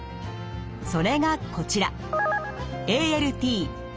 それがこちら。